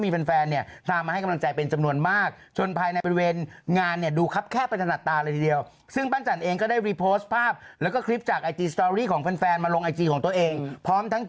เพราะฉะนั้นแล้ววันที่เสียต้องใส่ถุงมือ